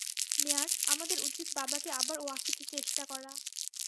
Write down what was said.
মেয়ার, আমাদের উচিত বাবাকে আবার ওয়াকিতে চেষ্টা করা।